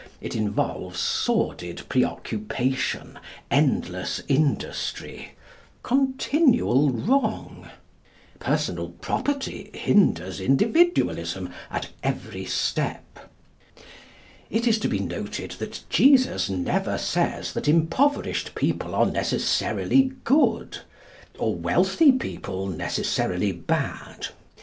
It involves sordid preoccupation, endless industry, continual wrong. Personal property hinders Individualism at every step.' It is to be noted that Jesus never says that impoverished people are necessarily good, or wealthy people necessarily bad.